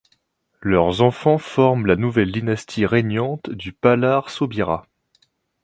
Leurs enfants forment la nouvelle dynastie régnante du Pallars Sobirà.